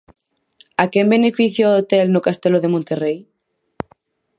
A quen beneficia o hotel no castelo de Monterrei?